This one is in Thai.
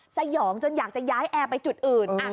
สยองจนอยากจะย้ายแอร์ไปจุดอื่น